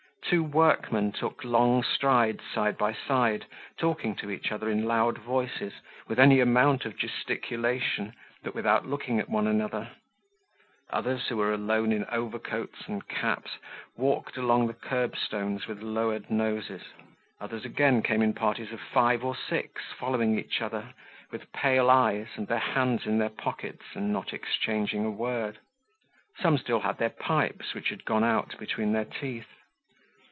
Two workmen took long strides side by side, talking to each other in loud voices, with any amount of gesticulation, but without looking at one another; others who were alone in overcoats and caps walked along the curbstones with lowered noses; others again came in parties of five or six, following each other, with pale eyes and their hands in their pockets and not exchanging a word. Some still had their pipes, which had gone out between their teeth.